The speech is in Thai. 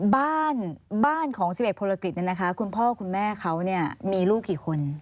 บ้านบ้านของ๑๑พลกฤษเนี่ยนะคะคุณพ่อคุณแม่เขาเนี่ยมีลูกกี่คน